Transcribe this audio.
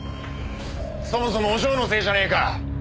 そもそもお嬢のせいじゃねえか！